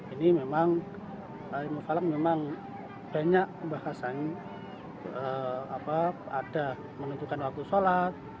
ini memang ilmu falak memang banyak membahas yang ada menentukan waktu sholat